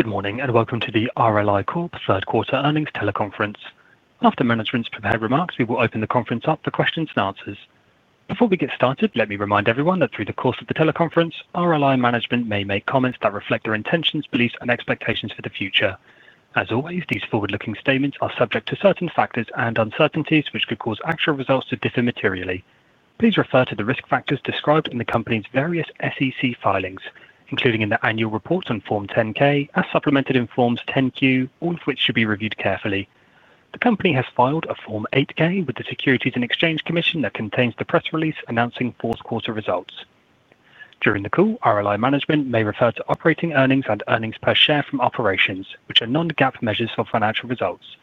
Good morning, and welcome to the RLI Corp Third Quarter Earnings Teleconference. After management's prepared remarks, we will open the conference up for questions and answers. Before we get started, let me remind everyone that through the course of the teleconference, RLI management may make comments that reflect their intentions, beliefs, and expectations for the future. As always, these forward-looking statements are subject to certain factors and uncertainties, which could cause actual results to differ materially. Please refer to the risk factors described in the company's various SEC filings, including in the annual reports on Form 10-K, as supplemented in Forms 10-Q, all of which should be reviewed carefully. The company has filed a Form 8-K with the Securities and Exchange Commission that contains the press release announcing fourth quarter results. During the call, RLI management may refer to operating earnings and earnings per share from operations, which are non-GAAP measures for financial results.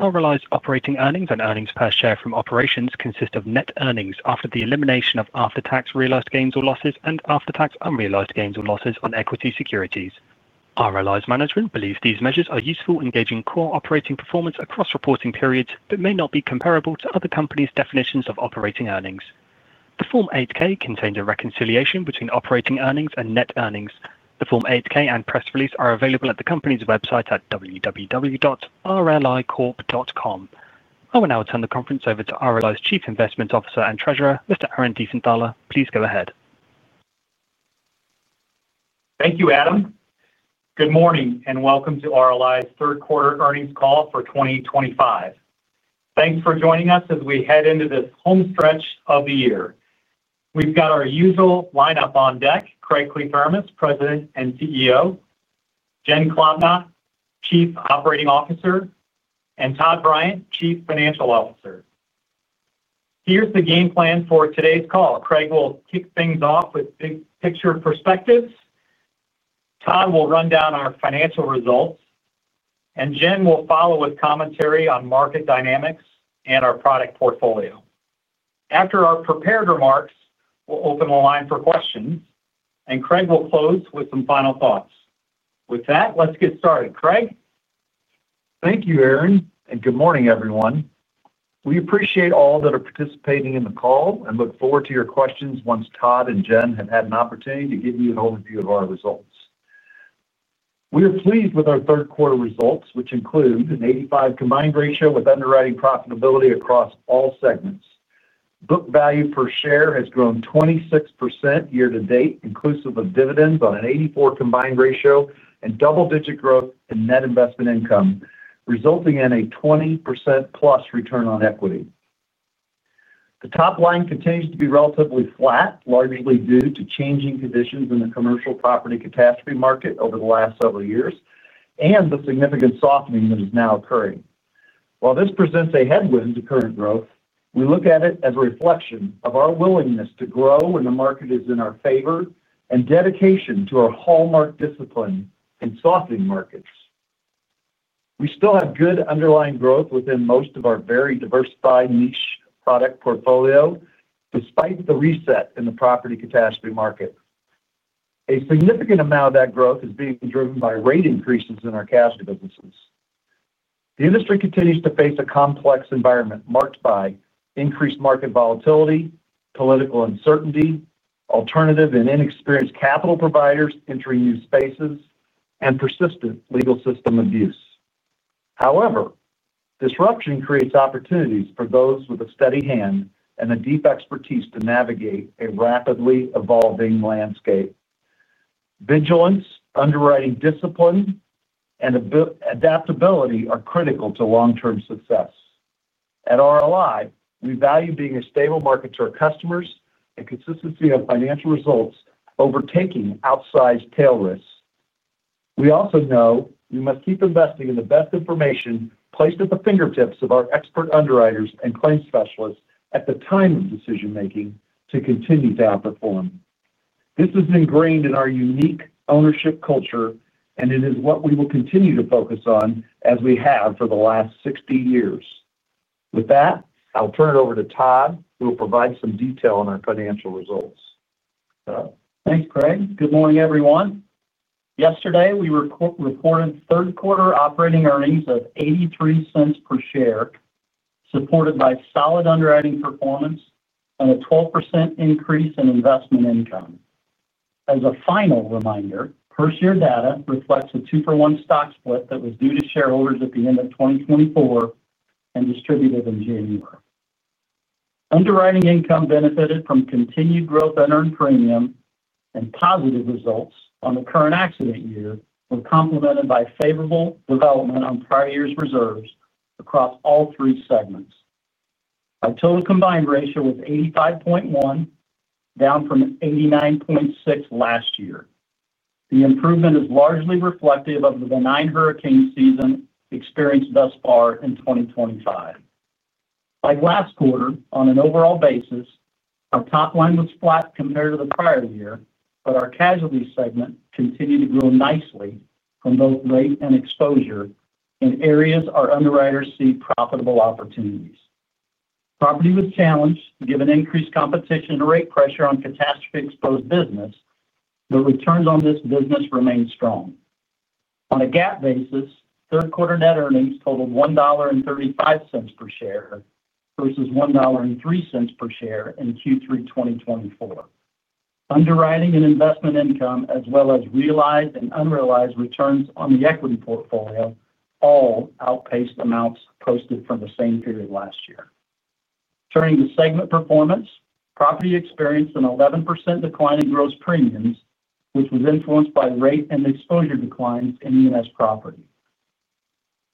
RLI's operating earnings and earnings per share from operations consist of net earnings after the elimination of after-tax realized gains or losses, and after-tax unrealized gains or losses on equity securities. RLI's management believes these measures are useful in gauging core operating performance across reporting periods, that may not be comparable to other companies' definitions of operating earnings. The Form 8-K contains a reconciliation between operating earnings and net earnings. The Form 8-K and press release are available at the company's website at www.rlicorp.com. I will now turn the conference over to RLI's Chief Investment Officer and Treasurer, Mr. Aaron Diefenthaler. Please go ahead. Thank you, Adam. Good morning and welcome to RLI Corp's Third Quarter Earnings Call for 2025. Thanks for joining us as we head into this home stretch of the year. We've got our usual lineup on deck, Craig Kliethermes, President and CEO, Jen Klobnak, Chief Operating Officer, and Todd Bryant, Chief Financial Officer. Here's the game plan for today's call. Craig will kick things off with big picture perspectives. Todd will run down our financial results. Jen will follow with commentary on market dynamics and our product portfolio. After our prepared remarks, we'll open the line for questions and Craig will close with some final thoughts. With that, let's get started. Craig? Thank you, Aaron. Good morning, everyone. We appreciate all that are participating in the call, and look forward to your questions once Todd and Jen have had an opportunity to give you an overview of our results. We are pleased with our third-quarter results, which include an 85% combined ratio with underwriting profitability across all segments. Book value per share has grown 26% year-to-date, inclusive of dividends, on an 84% combined ratio and double-digit growth in net investment income, resulting in a 20%+ return on equity. The top line continues to be relatively flat, largely due to changing conditions in the commercial property catastrophe market over the last several years and the significant softening that is now occurring. While this presents a headwind to current growth, we look at it as a reflection of our willingness to grow when the market is in our favor, and dedication to our hallmark discipline in softening markets. We still have good underlying growth within most of our very diversified niche product portfolio, despite the reset in the property catastrophe market. A significant amount of that growth is being driven by rate increases in our cash businesses. The industry continues to face a complex environment, marked by increased market volatility, political uncertainty, alternative and inexperienced capital providers entering new spaces and persistent legal system abuse. However, disruption creates opportunities for those with a steady hand and a deep expertise to navigate a rapidly evolving landscape. Vigilance, underwriting discipline, and adaptability are critical to long-term success. At RLI, we value being a stable market to our customers, and consistency of financial results overtaking outsized tail risks. We also know we must keep investing in the best information placed at the fingertips of our expert underwriters and claims specialists, at the time of decision-making to continue to outperform. This is ingrained in our unique ownership culture, and it is what we will continue to focus on as we have for the last 60 years. With that, I'll turn it over to Todd, who will provide some detail on our financial results. Thanks, Craig. Good morning, everyone. Yesterday, we reported third-quarter operating earnings of $0.83 per share, supported by solid underwriting performance and a 12% increase in investment income. As a final reminder, per-share data reflects a two-for-one stock split that was due to shareholders at the end of 2024 and distributed in January. Underwriting income benefited from continued growth and earned premium, and positive results on the current accident year were complemented by favorable development on prior year's reserves across all three segments. Our total combined ratio was 85.1, down from 89.6 last year. The improvement is largely reflective of the benign hurricane season experienced thus far in 2025. Like last quarter, on an overall basis, our top line was flat compared to the prior year, but our casualty segment continued to grow nicely from both rate and exposure in areas our underwriters see profitable opportunities. Property was challenged, given increased competition and rate pressure on catastrophe-exposed business, though returns on this business remained strong. On a GAAP basis, third-quarter net earnings totaled $1.35 per share versus $1.03 per share in Q3 2024. Underwriting and investment income, as well as realized and unrealized returns on the equity portfolio, all outpaced amounts posted from the same period last year. Turning to segment performance, property experienced an 11% decline in gross premiums, which was influenced by rate and exposure declines in ENS property.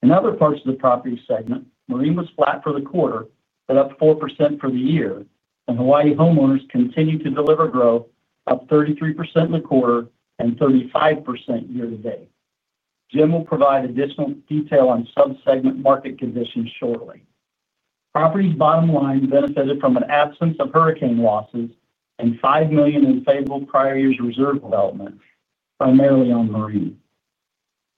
In other parts of the property segment, marine was flat for the quarter, but up 4% for the year. Hawaii homeowners continued to deliver growth, up 33% in the quarter and 35% year-to-date. Jen will provide additional detail on subsegment market conditions shortly. Property's bottom line benefited from an absence of hurricane losses and $5 million in favorable prior year's reserve development, primarily on marine.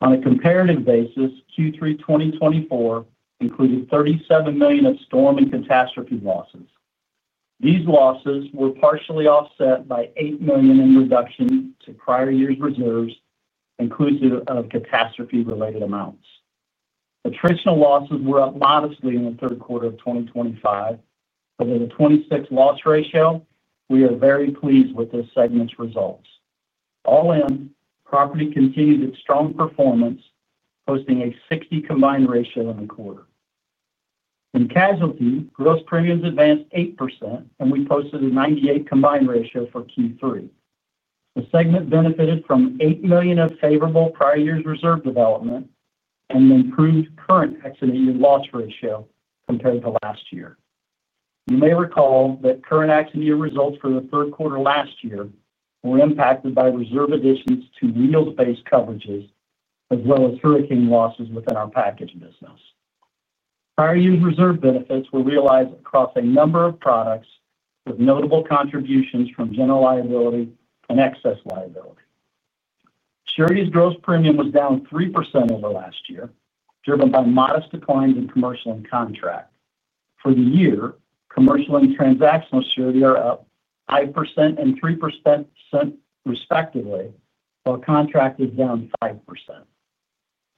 On a comparative basis, Q3 2024 included $37 million of storm and catastrophe losses. These losses were partially offset by $8 million in reduction to prior year's reserves, inclusive of catastrophe-related amounts. Attritional losses were up modestly in the third quarter of 2025, but at a 26 loss ratio, we are very pleased with this segment's results. All in, property continued its strong performance, posting a 60 combined ratio in the quarter. In casualty, gross premiums advanced 8%, and we posted a 98 combined ratio for Q3. The segment benefited from $8 million of favorable prior year's reserve development, and an improved current accident year loss ratio compared to last year. You may recall that current accident year results for the third quarter last year were impacted by reserve additions to yield-based coverages, as well as hurricane losses within our package business. Prior year's reserve benefits were realized across a number of products, with notable contributions from general liability and excess liability. Surety's gross premium was down 3% over last year, driven by modest declines in commercial and contract. For the year, commercial and transactional surety are up 5% and 3% respectively, while contract is down 5%.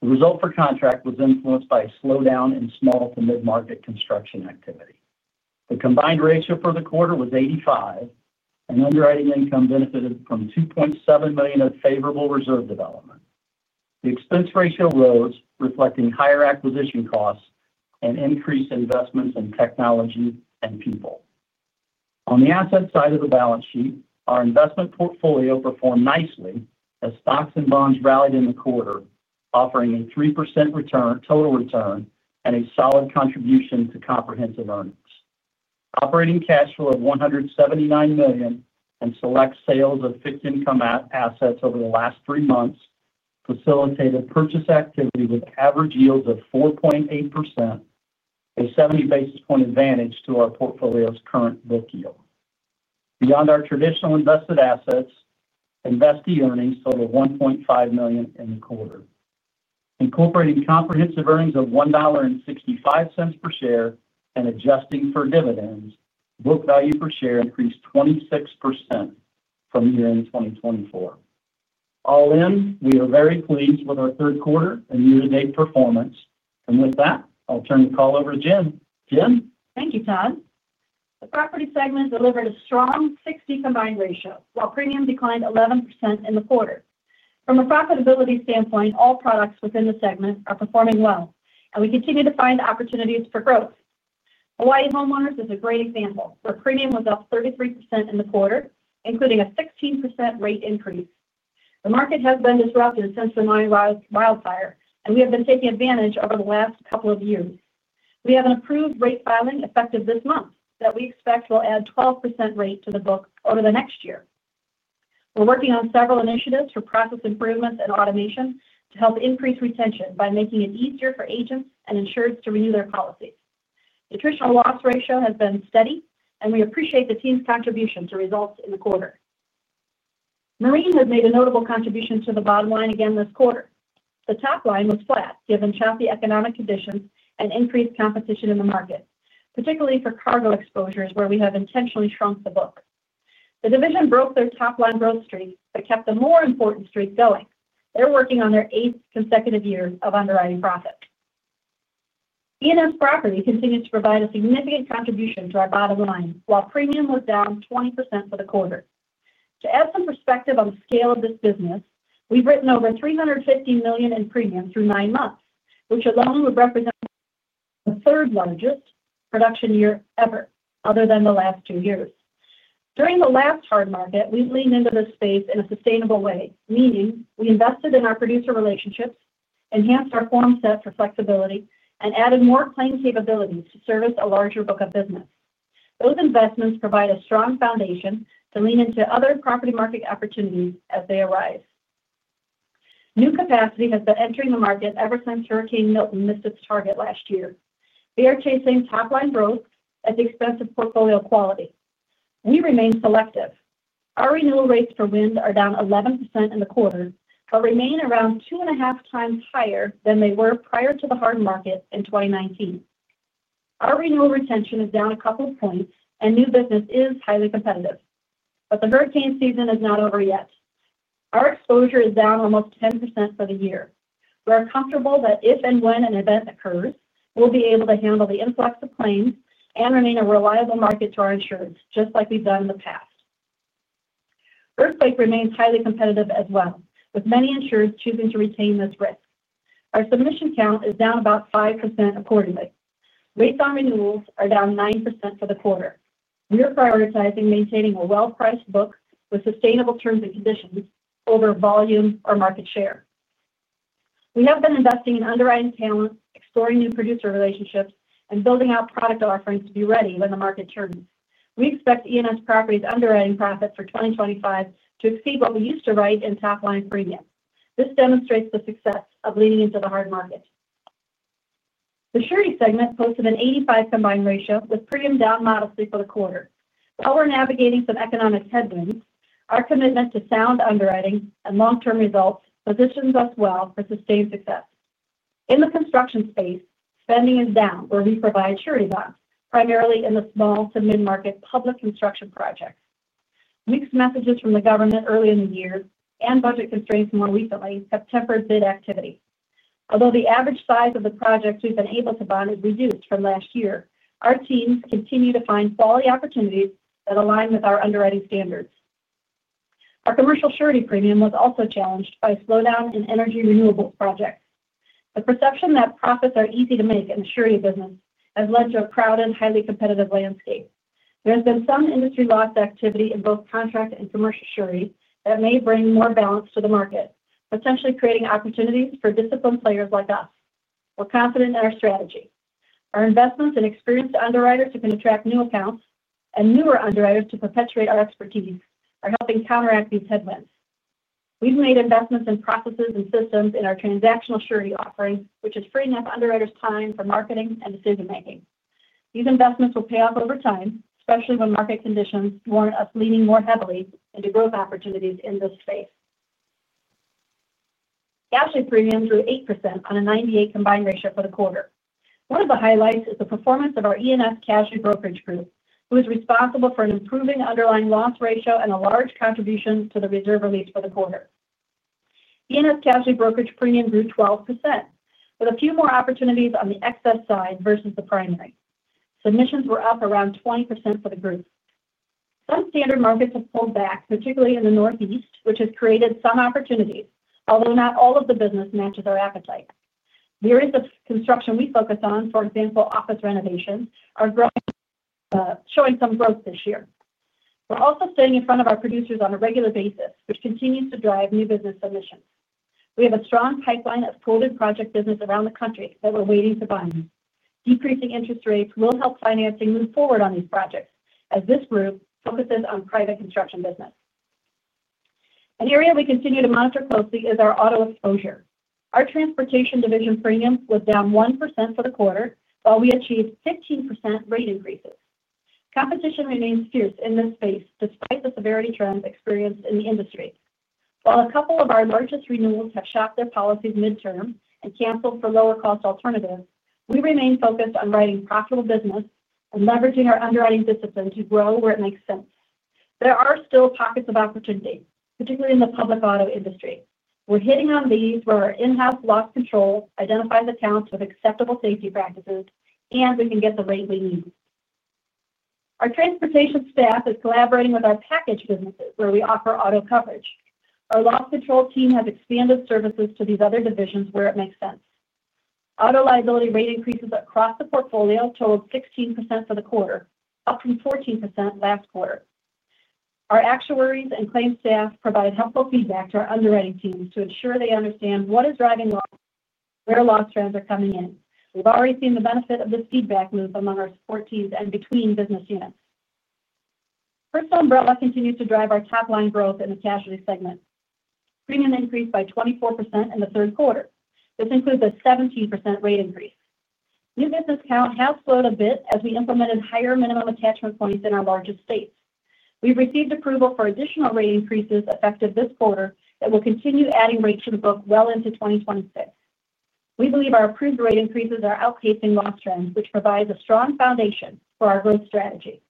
The result for contract was influenced by a slowdown in small to mid-market construction activity. The combined ratio for the quarter was 85, and underwriting income benefited from $2.7 million of favorable reserve development. The expense ratio rose, reflecting higher acquisition costs and increased investments in technology and people. On the asset side of the balance sheet, our investment portfolio performed nicely as stocks and bonds rallied in the quarter, offering a 3% total return and a solid contribution to comprehensive earnings. Operating cash flow of $179 million and select sales of fixed income assets over the last three months, facilitated purchase activity with average yields of 4.8%, a 70 basis point advantage to our portfolio's current book yield. Beyond our traditional invested assets, investee earnings totaled $1.5 million in the quarter. Incorporating comprehensive earnings of $1.65 per share, and adjusting for dividends, book value per share increased 26% from year-end 2024. All in, we are very pleased with our third quarter and year-to-date performance. With that, I'll turn the call over to Jen. Jen? Thank you, Todd. The property segment delivered a strong 60 combined ratio, while premium declined 11% in the quarter. From a profitability standpoint, all products within the segment are performing well, and we continue to find opportunities for growth. Hawaii homeowners is a great example, where premium was up 33% in the quarter, including a 16% rate increase. The market has been disrupted since the Maui Wildfire, and we have been taking advantage over the last couple of years. We have an approved rate filing effective this month that we expect will add a 12% rate to the book over the next year. We're working on several initiatives for process improvements and automation to help increase retention, by making it easier for agents and insurers to renew their policies. The attritional loss ratio has been steady, and we appreciate the team's contribution to results in the quarter. Marine has made a notable contribution to the bottom line again this quarter. The top line was flat, given choppy economic conditions and increased competition in the market, particularly for cargo exposures where we have intentionally shrunk the book. The division broke their top line growth streak, but kept the more important streak going. They're working on their eighth consecutive year of underwriting profits. ENS property continues to provide a significant contribution to our bottom line, while premium was down 20% for the quarter. To add some perspective on the scale of this business, we've written over $350 million in premium through nine months, which alone would represent the third largest production year ever, other than the last two years. During the last hard market, we leaned into this space in a sustainable way, meaning we invested in our producer relationships, enhanced our form set for flexibility and added more claim capabilities to service a larger book of business. Those investments provide a strong foundation to lean into other property market opportunities as they arise. New capacity has been entering the market ever since Hurricane Milton missed its target last year. We are not chasing top-line growth at the expense of portfolio quality. We remain selective. Our renewal rates for wind are down 11% in the quarter, but remain around two and a half times higher than they were prior to the hard market in 2019. Our renewal retention is down a couple of points, and new business is highly competitive. The hurricane season is not over yet. Our exposure is down almost 10% for the year. We are comfortable that if and when an event occurs, we'll be able to handle the influx of claims and remain a reliable market to our insureds, just like we've done in the past. Earthquake remains highly competitive as well, with many insurers choosing to retain this risk. Our submission count is down about 5% accordingly. Rates on renewals are down 9% for the quarter. We are prioritizing maintaining a well-priced book with sustainable terms and conditions over volume or market share. We have been investing in underwriting talent, exploring new producer relationships, and building out product offerings to be ready when the market turns. We expect ENS property's underwriting profits for 2025 to exceed what we used to write in top-line premium. This demonstrates the success of leaning into the hard market. The surety segment posted an 85% combined ratio, with premium down modestly for the quarter. While we're navigating some economic headwinds, our commitment to sound underwriting and long-term results positions us well for sustained success. In the construction space, spending is down where we provide surety bonds, primarily in the small to mid-market public construction projects. Weak messages from the government early in the year and budget constraints more recently have tempered bid activity. Although the average size of the projects we've been able to bond is reduced from last year, our teams continue to find quality opportunities that align with our underwriting standards. Our commercial surety premium was also challenged by a slowdown in energy renewables projects. The perception that profits are easy to make in the surety business has led to a crowded, highly competitive landscape. There has been some industry loss activity in both contract and commercial surety that may bring more balance to the market, potentially creating opportunities for disciplined players like us. We're confident in our strategy. Our investments in experienced underwriters who can attract new accounts, and newer underwriters to perpetuate our expertise are helping counteract these headwinds. We've made investments in processes and systems in our transactional surety offering, which has freed up underwriters' time for marketing and decision-making. These investments will pay off over time, especially when market conditions warrant us leaning more heavily into growth opportunities in the space. Casualty premiums grew 8% on a 98 combined ratio for the quarter. One of the highlights is the performance of our ENS Casualty Brokerage Group, who is responsible for an improving underlying loss ratio and a large contribution to the reserve relief for the quarter. ENS Casualty Brokerage premium grew 12%, with a few more opportunities on the excess side versus the primary. Submissions were up around 20% for the group. Some standard markets have pulled back, particularly in the Northeast, which has created some opportunities, although not all of the business matches our appetite. Areas of construction we focus on, for example, office renovations are showing some growth this year. We're also staying in front of our producers on a regular basis, which continues to drive new business submissions. We have a strong pipeline of COVID project business around the country that we're waiting to bind. Decreasing interest rates will help financing move forward on these projects, as this group focuses on private construction business. An area we continue to monitor closely is our auto exposure. Our transportation division premiums were down 1% for the quarter, while we achieved 15% rate increases. Competition remains fierce in this space, despite the severity trends experienced in the industry. While a couple of our largest renewals have shopped their policies midterm and canceled for lower cost alternatives, we remain focused on writing profitable business and leveraging our underwriting discipline to grow where it makes sense. There are still pockets of opportunity, particularly in the public auto industry. We're hitting on these, where our in-house loss control identifies accounts with acceptable safety practices and we can get the rate we need. Our transportation staff is collaborating with our package businesses where we offer auto coverage. Our loss control team has expanded services to these other divisions where it makes sense. Auto liability rate increases across the portfolio totaled 16% for the quarter, up from 14% last quarter. Our actuaries and claims staff provide helpful feedback to our underwriting teams, to ensure they understand what is driving loss, where loss trends are coming in. We've already seen the benefit of this feedback loop among our support teams and between business units. Personal umbrella continues to drive our top-line growth in the casualty segment. Premium increased by 24% in the third quarter. This includes a 17% rate increase. New business count has slowed a bit, as we implemented higher minimum attachment points in our largest states. We've received approval for additional rate increases effective this quarter, and will continue adding rates to the book well into 2026. We believe our approved rate increases are outpacing loss trends, which provides a strong foundation for our growth strategy.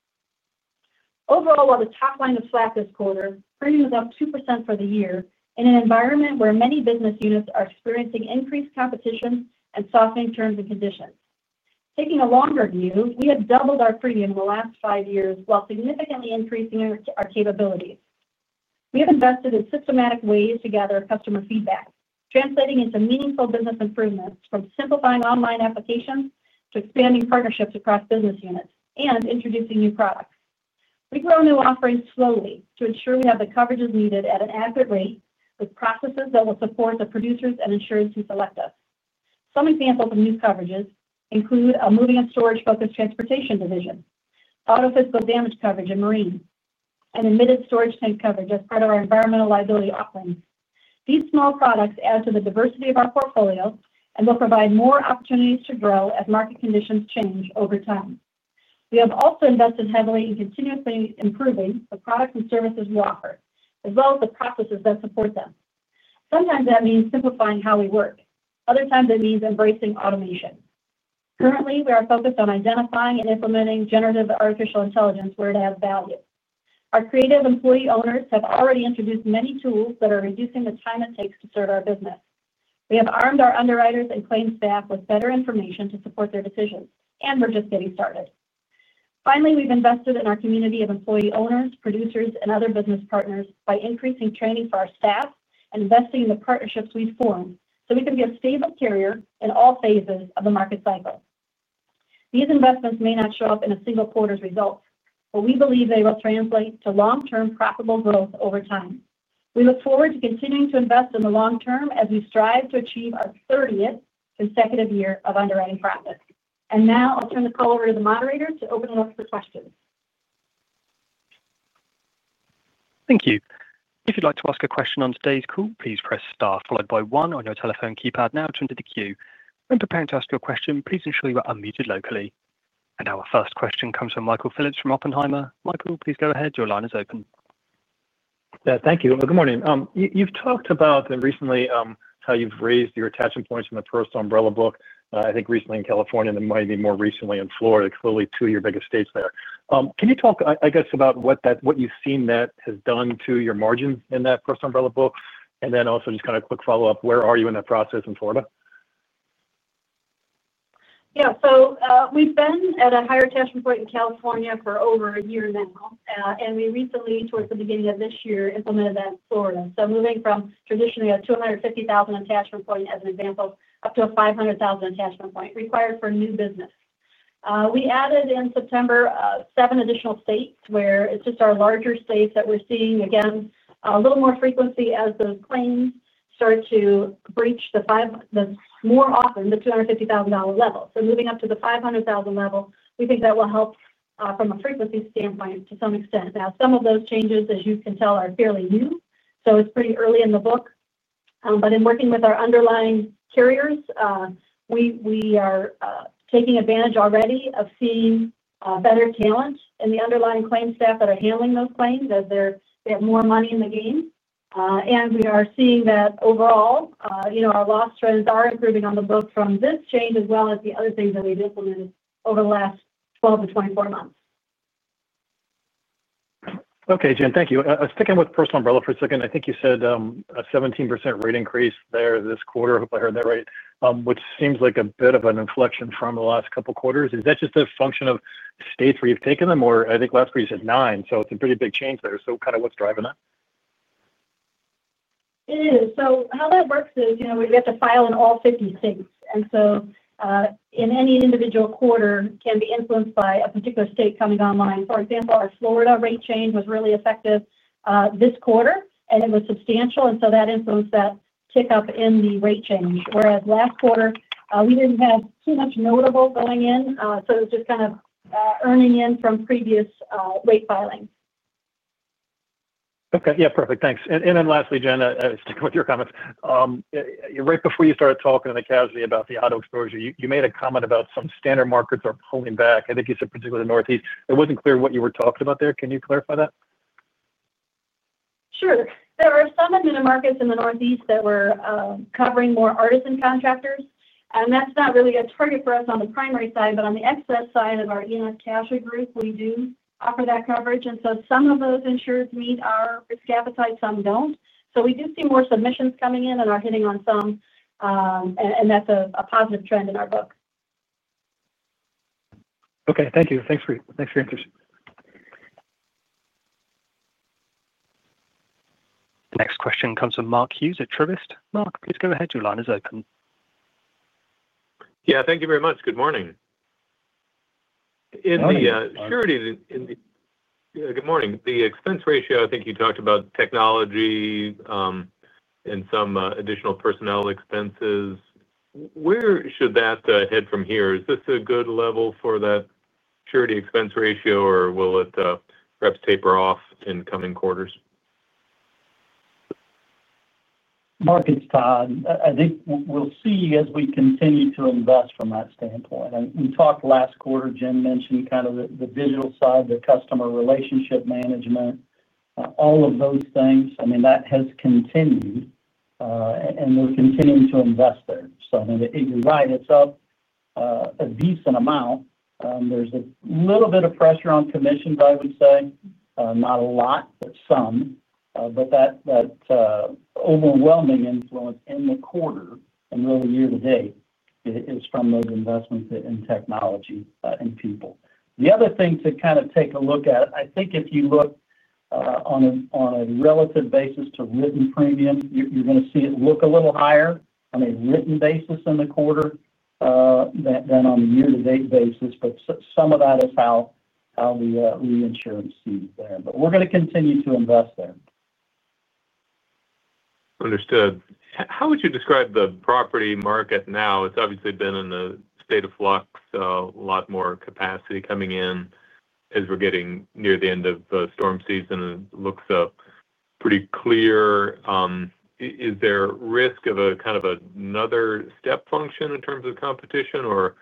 Overall, while the top line is flat this quarter, premium is up 2% for the year, in an environment where many business units are experiencing increased competition and softening terms and conditions. Taking a longer view, we have doubled our premium in the last five years, while significantly increasing our capabilities. We have invested in systematic ways to gather customer feedback, translating into meaningful business improvements, from simplifying online applications to expanding partnerships across business units and introducing new products. We grow new offerings slowly, to ensure we have the coverages needed at an adequate rate, with processes that will support the producers and insurers who select us. Some examples of new coverages include a moving and storage-focused transportation division, auto physical damage coverage in marine, and admitted storage tank coverage as part of our environmental liability offerings. These small products add to the diversity of our portfolio, and will provide more opportunities to grow as market conditions change over time. We have also invested heavily in continuously improving the products and services we offer, as well as the processes that support them. Sometimes that means simplifying how we work. Other times it means embracing automation. Currently, we are focused on identifying and implementing generative AI where it adds value. Our creative employee owners have already introduced many tools that are reducing the time it takes to serve our business. We have armed our underwriters and claims staff with better information to support their decisions, and we're just getting started. Finally, we've invested in our community of employee owners, producers, and other business partners, by increasing training for our staff and investing in the partnerships we've formed, so we can be a stable carrier in all phases of the market cycle. These investments may not show up in a single quarter's results, but we believe they will translate to long-term profitable growth over time. We look forward to continuing to invest in the long term, as we strive to achieve our 30th consecutive year of underwriting profits. Now I will turn the call over to the moderator to open it up for questions. Thank you. If you'd like to ask a question on today's call, please press star followed by one on your telephone keypad now to enter the queue. When preparing to ask your question, please ensure you are unmuted locally. Our first question comes from Michael Phillips from Oppenheimer. Michael, please go ahead. Your line is open. Thank you. Good morning. You've talked about recently how you've raised your attachment points in the personal umbrella book. I think recently in California and then maybe more recently in Florida, clearly two of your biggest states there. Can you talk, I guess about what you've seen that has done to your margins in that personal umbrella book? Also, just kind of a quick follow-up, where are you in that process in Florida? Yeah, we've been at a higher attachment point in California for over a year now. We recently, towards the beginning of this year, implemented that in Florida. Moving from traditionally a $250,000 attachment point, as an example, up to a $500,000 attachment point required for new business. We added in September, seven additional states where it's just our larger states that we're seeing, again a little more frequency as those claims start to breach more often the $250,000 level. Moving up to the $500,000 level, we think that will help from a frequency standpoint to some extent. Some of those changes, as you can tell, are fairly new. It's pretty early in the book. In working with our underlying carriers, we are taking advantage already, of seeing better talent in the underlying claims staff that are handling those claims as they have more money in the game. We are seeing that overall, our loss trends are improving on the book from this change, as well as the other things that we've implemented over the last 12 months-24 months. Okay. Jen, thank you. Sticking with personal umbrella for a second, I think you said a 17% rate increase there this quarter. Hope I heard that right, which seems like a bit of an inflection from the last couple of quarters. Is that just a function of states where you've taken them, or I think last quarter you said 9%. It's a pretty big change there. What's driving that? It is. How that works is, you know, we have to file in all 50 states, and so any individual quarter can be influenced by a particular state coming online. For example, our Florida rate change was really effective this quarter and it was substantial, and so that influenced that tick up in the rate change. Whereas last quarter, we didn't have too much notable going in, so it was just kind of earning in from previous rate filings. Okay, yeah. Perfect, thanks. Lastly, Jen, sticking with your comments, right before you started talking in the Casualty about the auto exposure, you made a comment about some standard markets are pulling back. I think you said particularly the Northeast. It wasn't clear what you were talking about there. Can you clarify that? Sure. There were some in the markets in the Northeast that were covering more artisan contractors. That's not really a target for us on the primary side, but on the excess side of our ENS Casualty group, we do offer that coverage. Some of those insurers meet our risk appetite, some don't. We do see more submissions coming in and are hitting on some, and that's a positive trend in our book. Okay, thank you. Thanks for your answers. Next question comes from Mark Hughes at Truist. Mark, please go ahead. Your line is open. Yeah. Thank you very much. Good morning. Morning. Morning. Good morning. In the surety, the expense ratio, I think you talked about technology and some additional personnel expenses. Where should that head from here? Is this a good level for that surety expense ratio, or will it perhaps taper off in coming quarters? Mark, it's fine. I think we'll see as we continue to invest from that standpoint. We talked last quarter, Jen mentioned kind of the digital side, the customer relationship management, all of those things. I mean, that has continued and we're continuing to invest there. You're right, it's up a decent amount. There's a little bit of pressure on commissions, I would say. Not a lot, but some. That overwhelming influence in the quarter and really year-to-date is from those investments in technology and people. The other thing to kind of take a look at, I think if you look on a relative basis to written premium, you're going to see it look a little higher on a written basis in the quarter than on the year-to-date basis. Some of that is how the insurance sees it there. We're going to continue to invest there. Understood. How would you describe the property market now? It's obviously been in a state of flux, so a lot more capacity coming in as we're getting near the end of storm season. It looks pretty clear. Is there a risk of a kind of another step function in terms of competition, or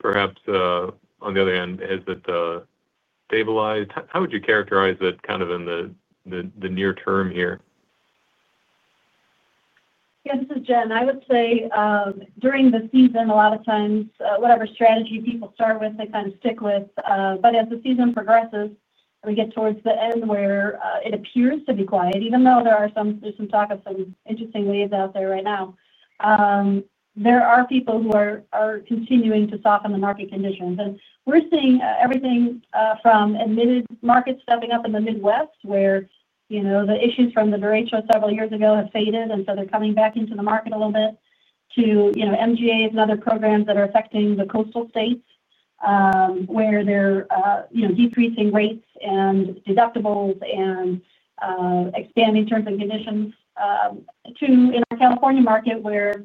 perhaps on the other end, has it stabilized? How would you characterize it kind of in the near term here? Yeah, this is Jen. I would say during the season, a lot of times, whatever strategy people start with, they kind of stick with. As the season progresses and we get towards the end where it appears to be quiet, even though therea are some talk of some interesting waves out there right now, there are people who are continuing to soften the market conditions. We're seeing everything, from admitted markets stepping up in the Midwest where the issues from the derecho several years ago have faded, and so they're coming back into the market a little bit, to MGAs and other programs that are affecting the coastal states where they're decreasing rates and deductibles, and expanding terms and conditions in our California market where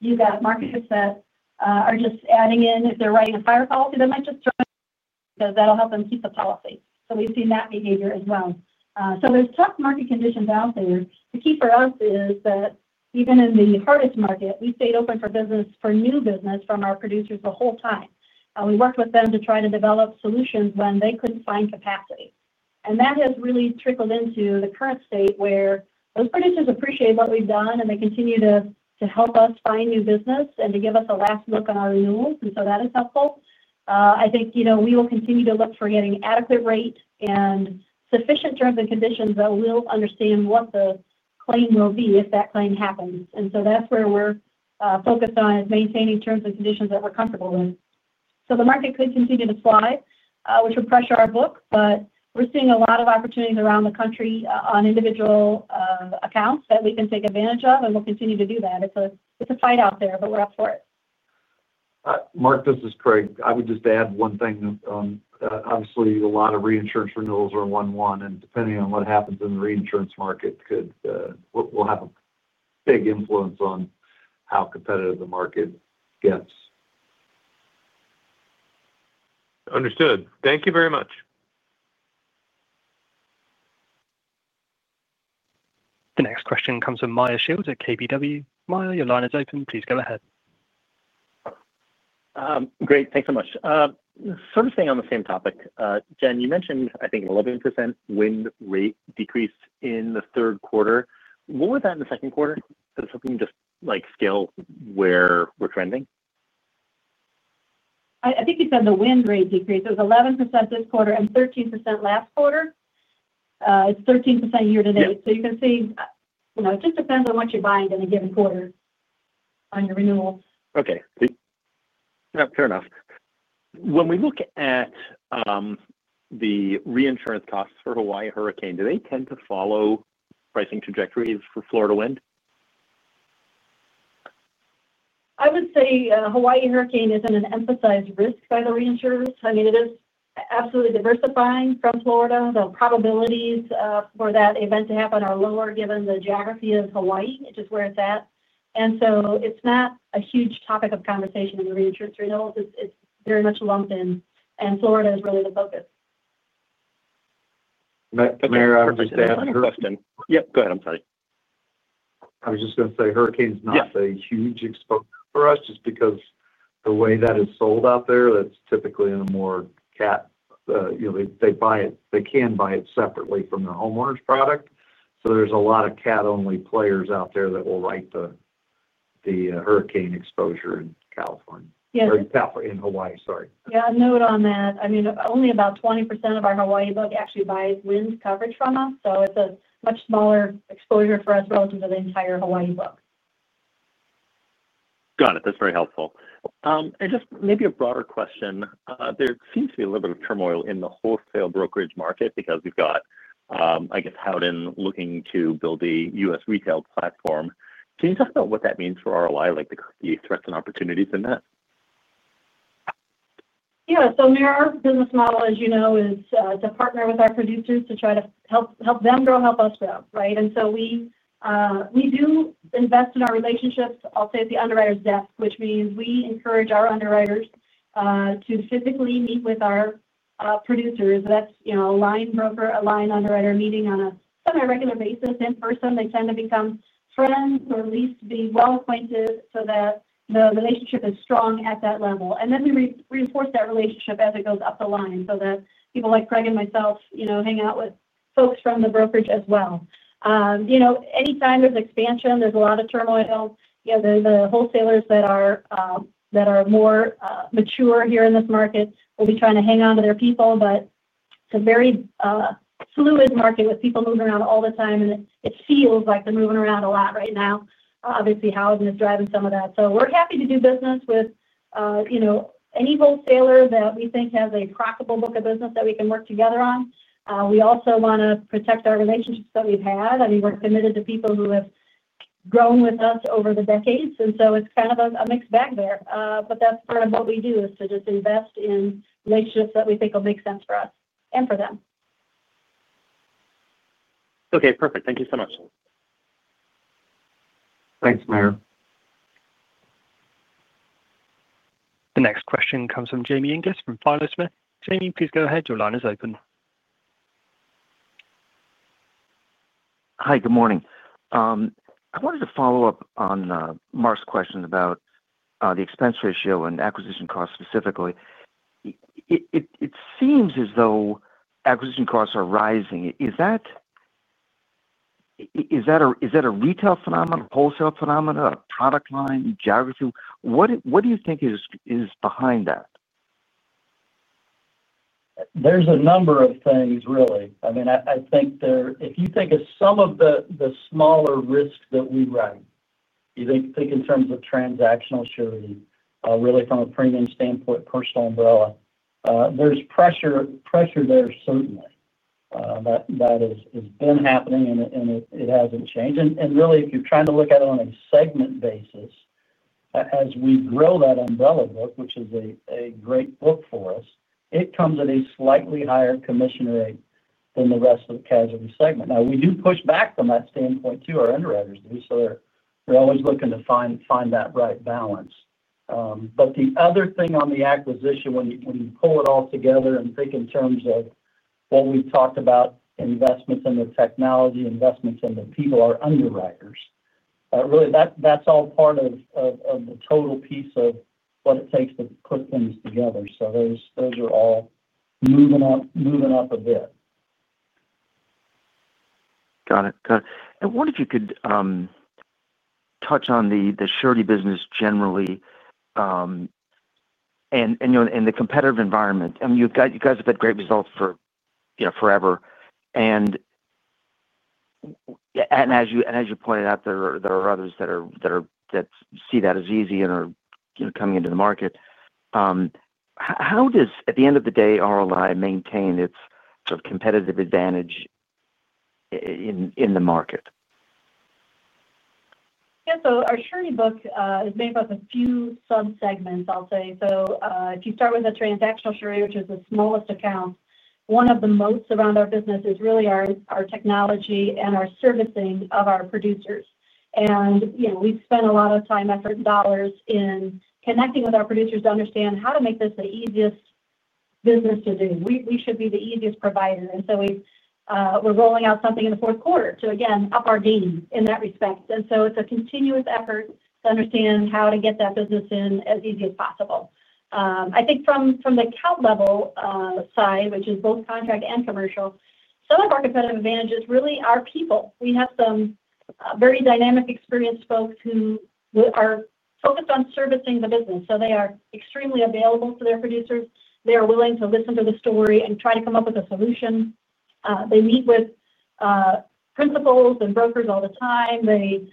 you've got markets that are just writing a fire policy that might just because that'll help them keep the policy. We've seen that behavior as well. There are tough market conditions out there. The key for us is that even in the hardest market, we stayed open for new business from our producers the whole time. We worked with them to try to develop solutions when they couldn't find capacity. That has really trickled into the current state where those producers appreciate what we've done, and they continue to help us find new business and to give us a last look on our renewals. That is helpful. I think we will continue to look, for getting adequate rate and sufficient terms and conditions that we'll understand what the claim will be if that claim happens. That's where we're focused on, is maintaining terms and conditions that we're comfortable with. The market could continue to, which would pressure our book, but we're seeing a lot of opportunities around the country on individual accounts that we can take advantage of, and we'll continue to do that. It's a fight out there, but we're up for it. Mark, this is Craig. I would just add one thing. Obviously, a lot of reinsurance renewals are one-on-one, and depending on what happens in the reinsurance market, it could have a big influence on how competitive the market gets. Understood. Thank you very much. The next question comes from at KBW. [Mayor], your line is open. Please go ahead. Great. Thanks so much. The sort of thing on the same topic, Jen, you mentioned I think 11% wind rate decrease in the third quarter. What was that in the second quarter? Is it something you can just like scale where we're trending? I think you said the wind rate decrease. It was 11% this quarter and 13% last quarter. It's 13% year to date. You can see it just depends on what you're buying in a given quarter on your renewals. Okay. Yeah, fair enough. When we look at the reinsurance costs for Hawaii hurricane, do they tend to follow pricing trajectories for Florida wind? I would say Hawaii hurricane isn't an emphasized risk by the reinsurers. I mean, it is absolutely diversifying from Florida. The probabilities for that event to happen are lower, given the geography of Hawaii, which is where it's at. It's not a huge topic of conversation in the reinsurance renewals. It's very much lumped in, and Florida is really the focus. Yep, go ahead. I'm sorry. I was just going to say hurricane is not a huge exposure for us, just because the way that is sold out there, they buy it, they can buy it separately from their homeowners product. There are a lot of cat-only players out there that will write the hurricane exposure in California. Yes. in Hawaii, sorry. Yeah, a note on that. Only about 20% of our Hawaii book actually buys wind coverage from us, so it's a much smaller exposure for us relative to the entire Hawaii book. Got it. That's very helpful. Maybe a broader question. There seems to be a little bit of turmoil in the wholesale brokerage market because we've got, I guess, Howden looking to build a U.S. retail platform. Can you talk about what that means for ROI, like the threats and opportunities in that? Yeah. Our business model, as you know, is to partner with our producers to try to help them grow, help us grow, right? We do invest in our relationships, I'll say at the underwriter's desk, which means we encourage our underwriters to physically meet with our producers. That's a line broker, a line underwriter meeting on a semi-regular basis. In person, they tend to become friends or at least be well acquainted, so that the relationship is strong at that level. We reinforce that relationship as it goes up the line, so that people like Craig and myself hang out with folks from the brokerage as well. Anytime there's expansion, there's a lot of turmoil. The wholesalers that are more mature here in this market will be trying to hang on to their people, but it's a very fluid market, with people moving around all the time and it feels like they're moving around a lot right now. Obviously, Howden is driving some of that. We're happy to do business with any wholesaler that we think has a profitable book of business that we can work together on. We also want to protect our relationships that we've had. I mean, we're committed to people who have grown with us over the decades. It's kind of a mixed bag there. That's part of what we do, is to just invest in relationships that we think will make sense for us and for them. Okay, perfect. Thank you so much. Thanks, [Mayor]. The next question comes from Jamie Inglis from PhiloSmith. Jamie, please go ahead. Your line is open. Hi, good morning. I wanted to follow up on Mark's questions about the expense ratio and acquisition costs specifically. It seems as though acquisition costs are rising. Is that a retail phenomenon, a wholesale phenomenon, a product line, geography? What do you think is behind that? There's a number of things really. I mean, if you think of some of the smaller risks that we write, you think in terms of transactional surety, really from a premium standpoint, personal umbrella, there's pressure there certainly. That has been happening, and it hasn't changed. Really, if you're trying to look at it on a segment basis, as we grow that umbrella book, which is a great book for us, it comes at a slightly higher commission rate than the rest of the casualty segment. We do push back from that standpoint too. Our underwriters do, so they're always looking to find that right balance. The other thing on the acquisition, when you pull it all together and think in terms of what we've talked about, investments in the technology, investments in the people, our underwriters, really that's all part of the total piece of what it takes to put things together. Those are all moving up a bit. Got it. I wonder if you could touch on the surety business generally, and the competitive environment. You guys have had great results for forever. As you pointed out, there are others that see that as easy and are coming into the market. How does, at the end of the day, RLI maintain its sort of competitive advantage in the market? Yeah, our surety book is made up of a few subsegments, I'll say. If you start with transactional surety, which is the smallest account, one of the most [important things] around our business is really our technology and our servicing of our producers. We've spent a lot of time, effort, and dollars in connecting with our producers to understand how to make this the easiest business to do. We should be the easiest provider. We're rolling out something in the fourth quarter, to, again up our game in that respect. It's a continuous effort to understand how to get that business in, and as easy as possible. I think from the account level side, which is both contract and commercial, some of our competitive advantages really are people. We have some very dynamic, experienced folks who are focused on servicing the business. They are extremely available to their producers. They are willing to listen to the story and try to come up with a solution. They meet with principals and brokers all the time. They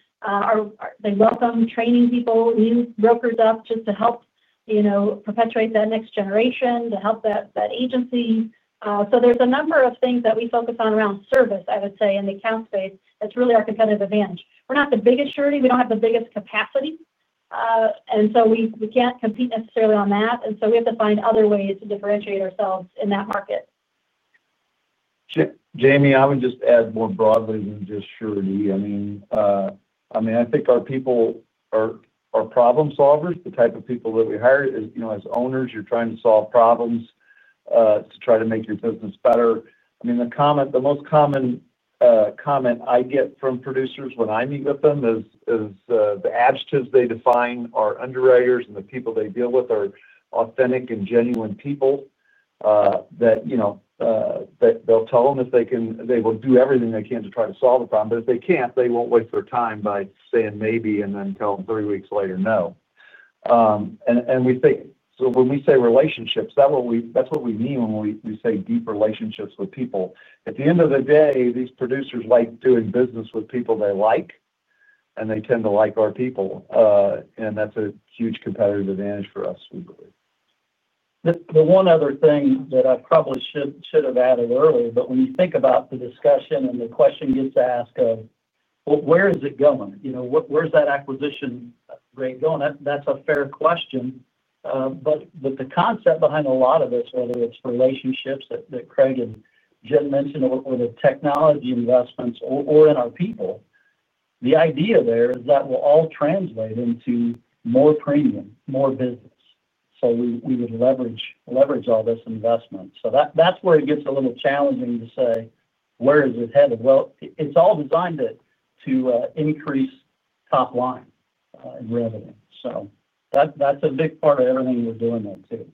welcome training people, new brokers up just to help perpetuate that next generation, to help that agency. There are a number of things that we focus on around service, I would say, in the account space. That's really our competitive advantage. We're not the biggest surety. We don't have the biggest capacity, and so we can't compete necessarily on that. We have to find other ways to differentiate ourselves in that market. Jamie, I would just add more broadly on just surety. I mean, I think our people are problem solvers. The type of people that we hire, you know, as owners, you're trying to solve problems to try to make your business better. I mean, the most common comment I get from producers when I meet with them is the adjectives they define our underwriters and the people they deal with, are authentic and genuine people. They'll tell them if they can, they will do everything they can to try to solve the problem. If they can't, they won't waste their time by saying maybe and then tell them three weeks later, no. We think when we say relationships, that's what we mean when we say deep relationships with people. At the end of the day, these producers like doing business with people they like, and they tend to like our people. That's a huge competitive advantage for us, we believe. The one other thing that I probably should have added earlier, when you think about the discussion and the question gets asked of, "Where is it going? You know, where's that acquisition rate going?" That's a fair question. The concept behind a lot of this, whether it's relationships that Craig and Jen mentioned or the technology investments or in our people, the idea there is that we'll all translate into more premium, more business. We would leverage all this investment. That's where it gets a little challenging to say, where is it headed? It's all designed to increase top-line in revenue. That's a big part of everything we're doing there too.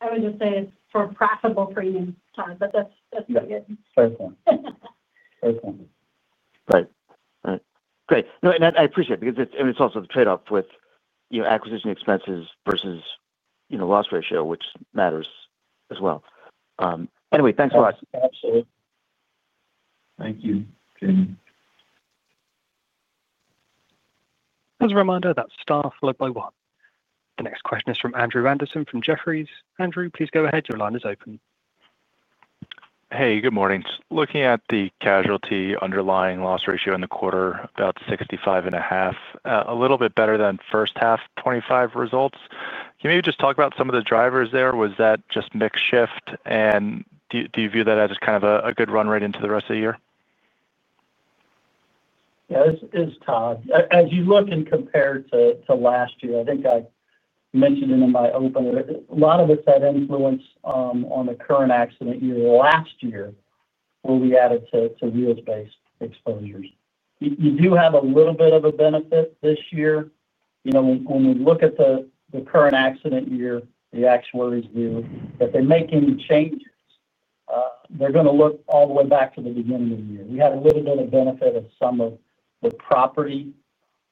I would just say it's for profitable premiums, that's it. Yeah. Fair point. Right, great. No, I appreciate it because it's also the trade-off with acquisition expenses versus loss ratio, which matters as well. Anyway, thanks a lot. Absolutely. Thank you, Jamie. As a reminder, that's star followed by one. The next question is from Andrew Andersen from Jefferies. Andrew, please go ahead. Your line is open. Hey, good mornings. Looking at the casualty underlying loss ratio in the quarter, about 65.5%, a little bit better than first half 2025 results. Can you maybe just talk about some of the drivers there? Was that just mix shift, and do you view that as kind of a good run rate into the rest of the year? Yeah, it is Todd. As you look and compare to last year, I think I mentioned in my opener, a lot of us had influence on the current accident year last year, where we added to wheels-based exposures. You do have a little bit of a benefit this year. When we look at the current accident year, the actuaries' view, if they make any changes, they're going to look all the way back to the beginning of the year. We had a little bit of benefit of some of the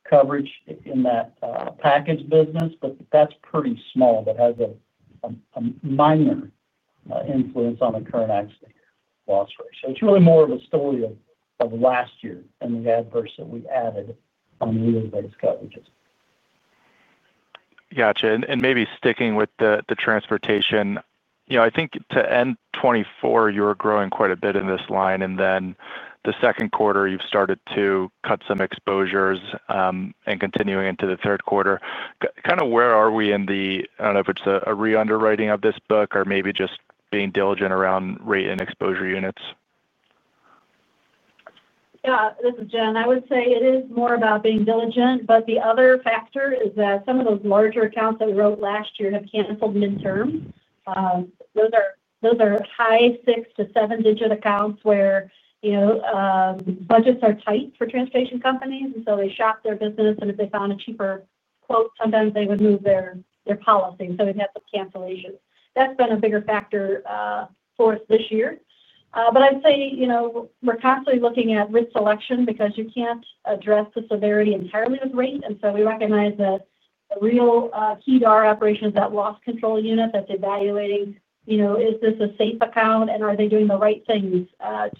property coverage in that package business, but that's pretty small, but has a minor influence on the current accident loss ratio. It's really more of a story of last year, and the adverse that we added on wheels-based coverages. Got you. Maybe sticking with the transportation, I think to end 2024, you were growing quite a bit in this line and then the second quarter, you've started to cut some exposures and continuing into the third quarter. Kind of where are we in the, I don't know if it's a re-underwriting of this book or maybe just being diligent around rate and exposure units? Yeah, this is Jen. I would say it is more about being diligent, but the other factor is that some of those larger accounts that we wrote last year have canceled mid-term. Those are high six to seven-digit accounts where, you know, budgets are tight for transportation companies. They shopped their business, and if they found a cheaper quote, sometimes they would move their policy, so we've had some cancellations. That's been a bigger factor for us this year. I'd say we're constantly looking at risk selection because you can't address the severity entirely with rate. We recognize that the real key to our operation is that loss control unit that's evaluating, you know, is this a safe account and are they doing the right things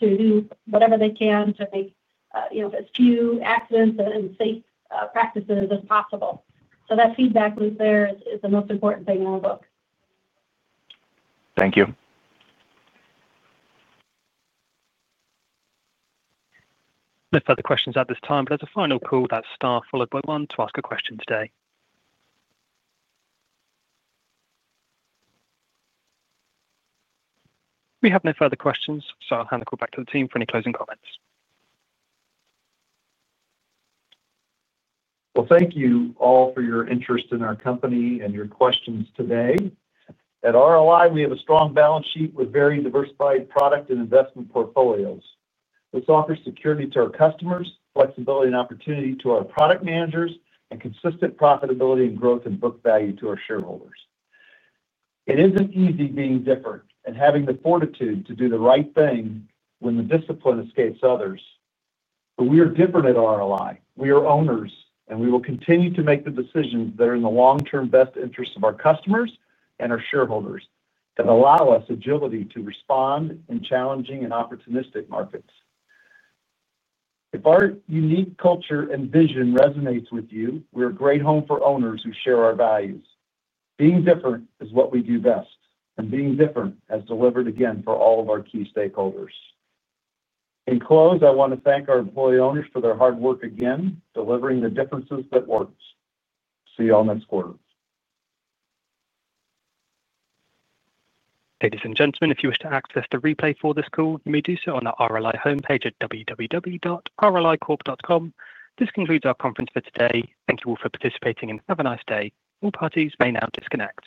to do whatever they can to make as few accidents and safe practices as possible? That feedback loop there is the most important thing in our book. Thank you. No further questions at this time. As a final call, that's star followed by one to ask a question today. We have no further questions, so I'll hand the call back to the team for any closing comments. Thank you all for your interest in our company and your questions today. At RLI, we have a strong balance sheet with very diversified product and investment portfolios. This offers security to our customers, flexibility and opportunity to our product managers, and consistent profitability and growth in book value to our shareholders. It isn't easy being different and having the fortitude to do the right thing when the discipline escapes others. We are different at RLI. We are owners, and we will continue to make the decisions that are in the long-term best interests of our customers and our shareholders, that allow us agility to respond in challenging and opportunistic markets. If our unique culture and vision resonates with you, we're a great home for owners who share our values. Being different is what we do best, and being different has delivered again for all of our key stakeholders. In close, I want to thank our employee owners for their hard work again, delivering the differences that work. See you all next quarter. Ladies and gentlemen, if you wish to access the replay for this call, you may do so on our RLI homepage at www.rlicorp.com. This concludes our conference for today. Thank you all for participating, and have a nice day. All parties may now disconnect.